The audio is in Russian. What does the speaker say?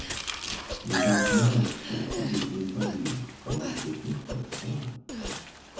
Недавно мы также стали свидетелями подвижек в позициях некоторых стран.